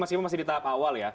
meskipun masih di tahap awal ya